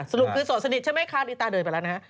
สรุปคือโสดสนิทใช่ไหมคะลีตาเดินไปแล้วนะฮะ